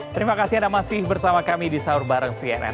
terima kasih anda masih bersama kami di sahur bareng cnn